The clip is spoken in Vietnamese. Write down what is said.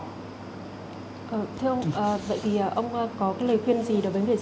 vậy thì ông có cái lời khuyên gì